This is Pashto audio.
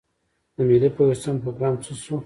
د ملي پیوستون پروګرام څه شو؟